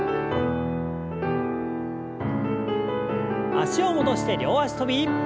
脚を戻して両脚跳び。